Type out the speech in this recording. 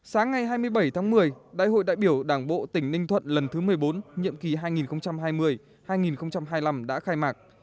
sáng ngày hai mươi bảy tháng một mươi đại hội đại biểu đảng bộ tỉnh ninh thuận lần thứ một mươi bốn nhiệm kỳ hai nghìn hai mươi hai nghìn hai mươi năm đã khai mạc